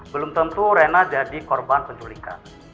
belum tentu rena jadi korban penculikan